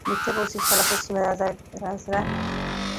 মিথ্যা বলছিস, শালা পশ্চিমা জারজ!